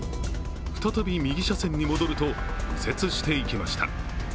再び右車線に戻ると右折していきました。